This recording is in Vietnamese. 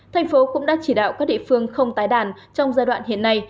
tp hcm cũng đã chỉ đạo các địa phương không tái đàn trong giai đoạn hiện nay